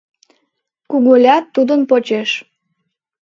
Куголя — тудын почеш.